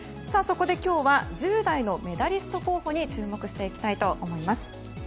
そこで今日は１０代のメダリスト候補に注目していきたいと思います。